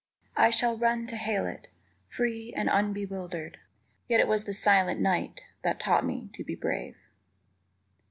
I shall run to hail it, Free and unbewildered, Yet it was the silent night _That taught me to be brave.